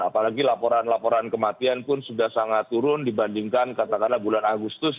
apalagi laporan laporan kematian pun sudah sangat turun dibandingkan katakanlah bulan agustus